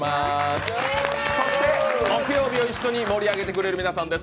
そして木曜日を一緒に盛り上げてくださる皆さんです。